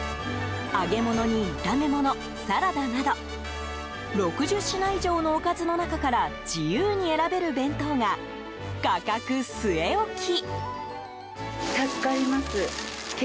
揚げ物に炒めもの、サラダなど６０品以上のおかずの中から自由に選べる弁当が価格据え置き。